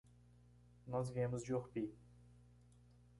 Nós viemos de Orpí.